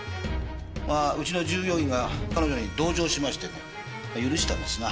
まあうちの従業員が彼女に同情しましてね許したんですが。